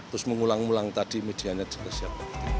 terus mengulang ulang tadi medianya juga siap